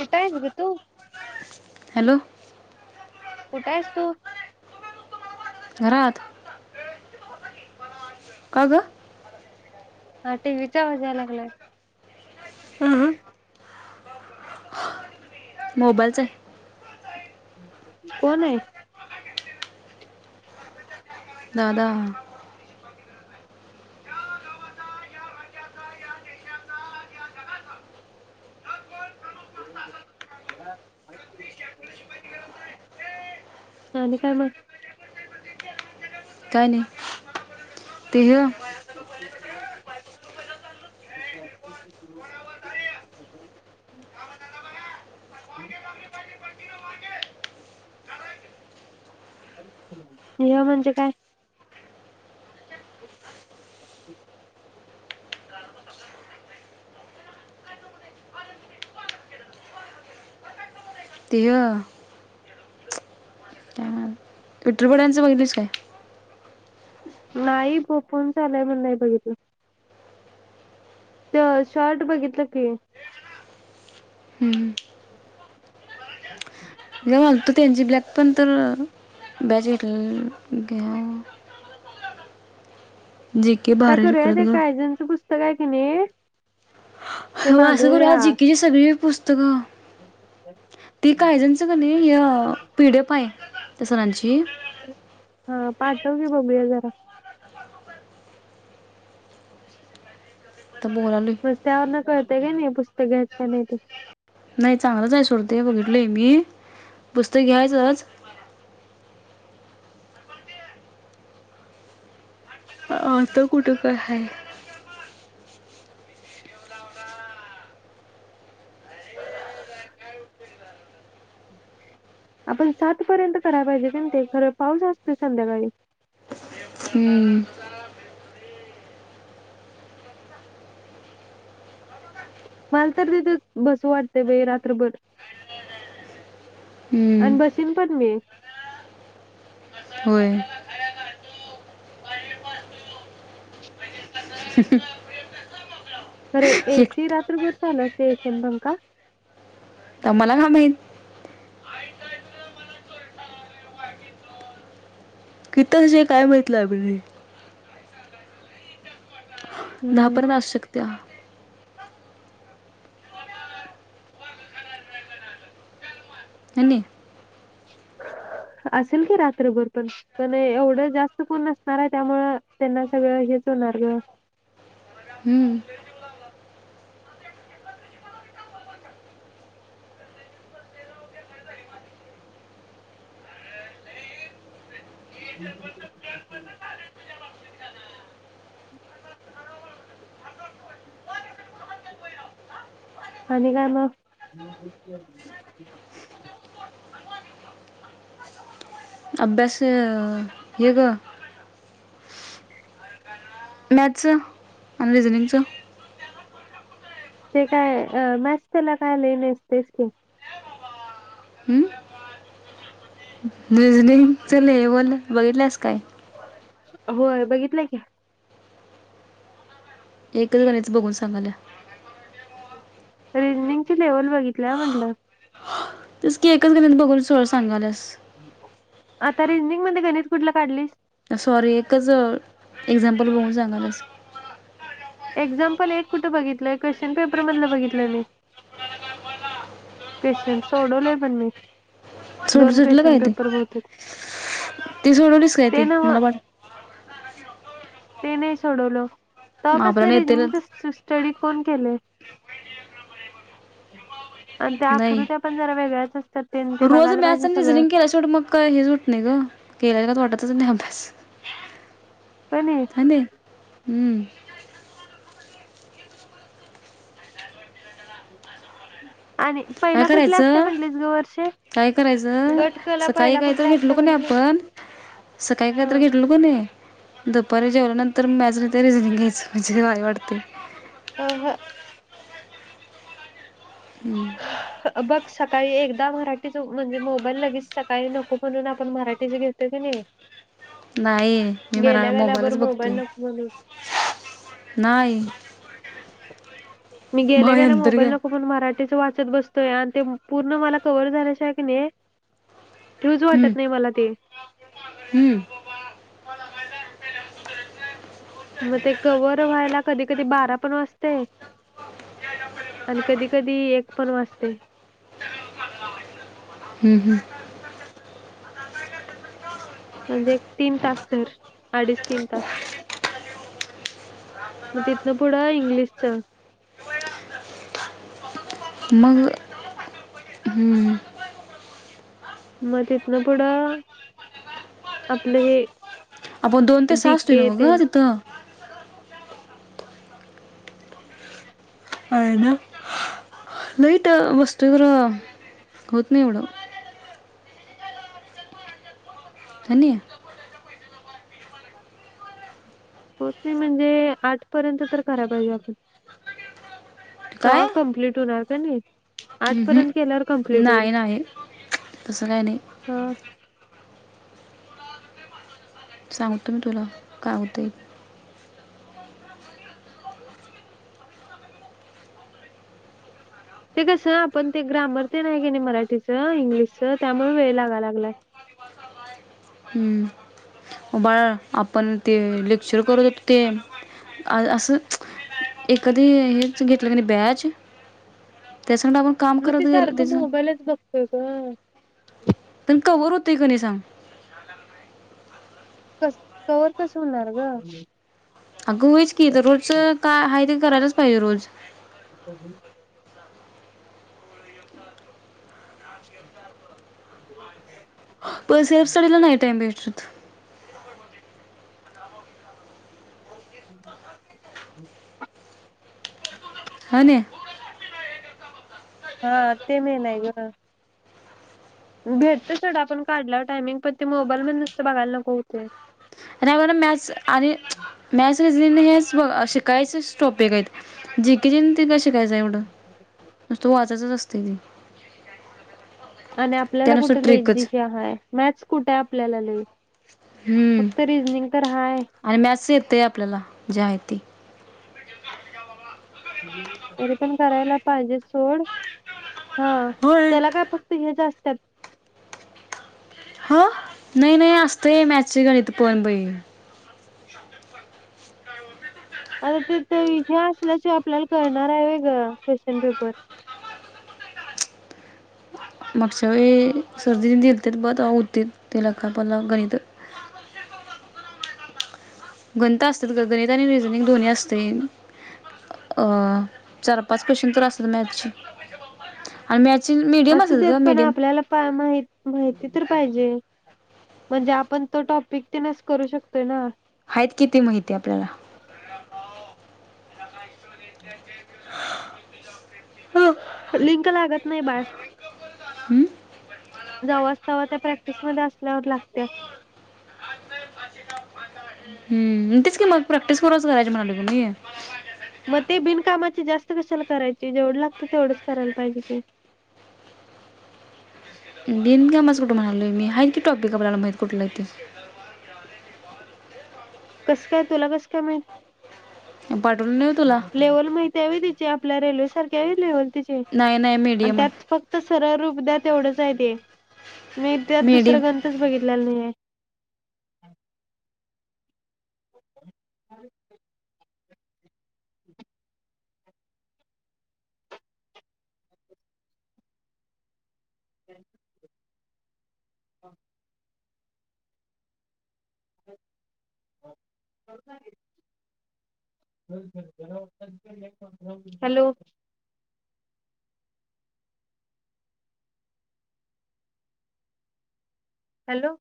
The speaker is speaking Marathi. कठय ग तू हॅलो कुठं आहेस तू घात आगा ह टी वचावाजलक हम हम मोबाईलचे कोण आहे दादा आणि काय मग [unintelligible] [unintelligible] [unintelligible] [unintelligible] म्हणजे काय? [unintelligible] ते य [unintelligible] बघितलंस काय? नाई घोकून झालंय पण नाई बघितलं. त्यो शर्ट बघितलं की. हम्म. [unintelligible] [unintelligible] त्यांची ब्लॅक पण तर अ बॅच घेतल घ्या जी के भारी करूया खरंच ते ग. कायजनचं त पुस्तक काय की नी हो आसं करूया जी के ची सगळी पुस्त त ग ती काय जणच कणी य पि डी एफ हाय. त्या सरांची हा पाठव की मम्मीला जरा. आता बोलालोय रस्त्यांवर न कळ ते का नाई पुस्तकं घ्याच का नाही ते. नाई चांगलंच आहे सर ते बघितलंय मी पुस्तक घ्यायचच आता कुठ काय हाय. आपण सात पर्यंत कराया पाहिजे, पण ते खरं पाऊस असतोय संध्याकाळी. हम्म, मला तर तिथे बसू वाटतय बाई रात्रभर हम्म, आण बशीन पण मी. होय. [inaudible] [unintelligible] खरंय ए सी एकट- रात्रभर चालू असतय ए सी अन पंखा? ता मला का म्हाईत? [unintelligible] काय माहित लायब्ररी दहा हम्म, पर्यंत आसत्यात त्या है नी असेल की रात्रभर पण, पण एवढं जास्त कोण नसणाय त्यामुळं त्यांना सगळं हेच होणार गं. हम्म, [unintelligible] आणि काय मगं? [unintelligible] अभ्यास अ हे ग मॅथचं अन रिजनिगचं ते काय अ म्यॅथ्स तेला काय लै [unintelligible] [inaudible] रिजनिंगच लेवल बघितलंस काय? होय बघितलंय की. एकच मिनिट, बघून सांगायल्या. रिजनिंगची लेवल बघितल्या म्हणलं. तेचकी एकच गणित बघून सगळं सांगायल्यास. आता रिजनिंगमध्ये गणित कुठलं काढलीस? सॉरी एकच एक्झाम्पल बघून सांगायल्यास. एक्झाम्पल एक कुठं बघितलंय, क्वेश्चन पेपरमधलं बघितलंय मी. क्वेश्चन सोडवलंय पण मी. सुट दोन सुटलं क्वेश्चन काय ते? पेपर बहुतेक. ते सोडवलीस काय ते, मला पाट ते नाय सोडवलो. तवापासनं आपल्याला रिजनिंगचं येतीलच स्ट स्टडी कोण केलंय? आणि त्या नाही. आकृत्या पण जरा वेगळ्याच असतात ते ते रोज बघायला मॅथ्स पाहिजे आणि सगळं रिजनिंग केल्या शेवट मग काय हेच होतं नाय गं, केल्यागत वाटतच नाय अभ्यास. का नाही हा नाय? हम्म. आणि काय पहिला कुठल्या असते करायचं, म्हटलीस ग वर्षे काय करायचं. गटकला सकाळी पहिला काहीतरी कुठल्या घेतलो असते का नाय म्हटली आपण, सकाळी काहीतरी घेतलो का नाय दुपारी जेवल्यानंतर [unintelligible] चं रिझनिंग घ्यायचं म्हणजे भारी वाटतंय. अंह. हम्म. बघ सकाळी एकदा मराठीचं म्हणजे मोबाईल लगेच सकाळी नको, म्हणून आपण मराठीचं घेतोय की नाही? नाही, मी मरा गेल्या गेल्याबर मोबाईलच मोबाईल बघतोय. नको म्हणून नाही. मी गेल्या मग गेल्या नंतर मोबाईल काय नको, म्हणून मरा ठीचं वाचत बसतोय आणि पूर्ण मला कव्हर झाल्याशिवाय की नाही ठीऊच हम्म वाटत नाही, मला ते. हम्म मग ते कव्हर व्हायला, कधी कधी बारा पण वाजतंय आणि कधी कधी एक पण वाजतंय. हम्म हम्म. म्हणजे एक तीन तास तर, अडीच तीन तास. मग तिथनं पुढं इंग्लिशचं. मग हम्म. मग तिथन पुढं आपलं हे आपण दोन ते सहा जी असतोय, के नव्हं गं तेन तिथं? आहे ना? नाही इथं वस् तर होत निवडू. हा नाय? पोहोचतंय म्हणजे, आठपर्यंत तर करायला पाहिजे आपण. काय तवा कम्प्लीट हुणार. नाही आठ हम्म पर्यंत केल्यावर हम् कम्प्लीट होईल नाही नाही तसं काही नाही हा सांगतो मी तुला काय होतंय ते कसं आपण ते ग्रामर ते नाही क नाही मराठीचं इंग्लिशच त्यामुळे वेळ लागा लागलाय आहे बाळा आपण ते लेक्चर करू ते असं एखादी हेच घेतलं क नाही बॅच त्याच मग ते सारखं मोबाईलच बघतो का कते कणी सग कस तवर कस होणार ग अ गोच कि तर रोजच काय ह करालाच पाहिजे रोज ह प सेफ स्टडीला नाही टाईम भेटात होन हा आते म नाय ग भेटत सढ आपण काढला टायमिंग पण ते मोबाईल मध्ये नुसतं बघायला नको होते नाही मॅच आणि मॅच ब असे कायच स्टोपेक आहेत जी क जि त व वा तन आणि आपल्याला कुठेला एक दिशी हय मॅ कुठे आपल्याला लई हम्म फक्त रिजनिंग तर हाय आणि मॅस येतय आपल्याला ज्या आहेती क काला तरी पण करायला पाहिजे सोड हा होय त्याला काय फक्त हे जास्त सत् हो नाही नाही असतय मॅचच्या घडी तर पोण पईल आता ते तर हे असल्याचे आपल्याला कळणार आहे का क्वेश्चन पेपर मक्साद त्या सर्दी दिल ते बर तरऊथ ते लग पणला गणित गणता असतात ग गणित आणि रिझनिंग दोन्ही असते चार पाच क्वेश्चन तर असतात मॅथचे असू देत पण आपल्याला काय माहित माहिती तर पाहिजे. म्हणजे आपण आहेत किती माहिती आपल्याला [inaudible] लिंक लागत नाही बाळ हम्म जवाच्या तवा त्या प्रॅक्टिसमध्येध्ये असल्यावर लागत्या. हम्म तेच की मग प्रॅक्टिस करूच करायची म्हणाली ग ते मग ते बिनकामाची जास्त कशाला करायचे जेवढं लागत तेवढंच करायला पाहिजे की बिन कामाचं कुठं म्हणालोय मी आहे की टॉपीक आपल्याला माहित कुठलंय ते. कसं काय तुला कसं काय माहित? ते. पाठवलं नाही होय तुला? लेवल माहित हाय व्हय त्याची आपल्या रेल्वे सारखी हाय व्हय लेवल नाही नाही अन मीडियम त्यात आहे फक्त सरळ रूप त्यात तेवढंच आहे ते. मी त्यात दुसरा मीडियम ग्रंथच बघितलेला नाहीये. ह ह हम ह हो [unintelligible] हॅलो हॅलो